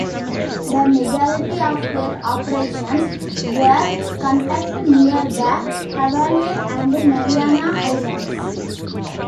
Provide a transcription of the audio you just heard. The majority of her operations were conducted near the Hawaiian and Mariana Islands.